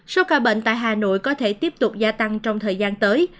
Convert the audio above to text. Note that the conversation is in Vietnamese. số ca bệnh tại hà nội có thể tiếp tục gia tăng trong thời gian tới